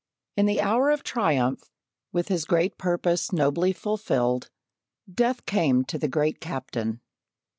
In the hour of triumph, with his great purpose nobly fulfilled, death came to the great Captain.